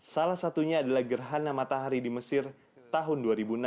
salah satunya adalah gerhana matahari di mesir tahun dua ribu enam belas